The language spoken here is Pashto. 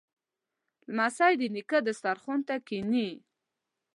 لمسی د نیکه دسترخوان ته کیني.